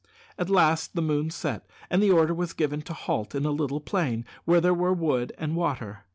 At last the moon set, and the order was given to halt in a little plain where there were wood and water.